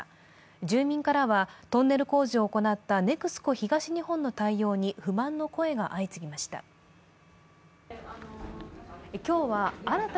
住民からはトンネル工事を行ったＮＥＸＣＯ東日本の対応に不満の声が相次ぎました。